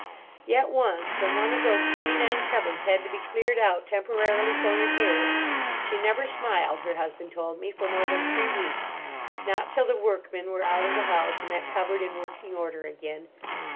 Yet once, when one of those twenty nine cupboards had to be cleared out temporarily for repairs, she never smiled, her husband told me, for more than three weeks—not till the workmen were out of the house, and that cupboard in working order again.